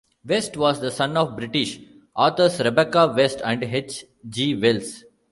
West was the son of British authors Rebecca West and H. G. Wells.